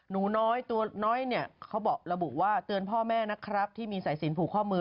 หนูน้อยตัวน้อยเนี่ยเขาบอกระบุว่าเตือนพ่อแม่นะครับที่มีสายสินผูกข้อมือ